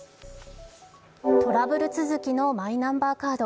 トラブル続きのマイナンバーカード。